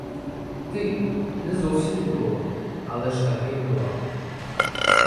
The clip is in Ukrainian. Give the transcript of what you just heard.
Ти — не зовсім удова, але ж таки вдова.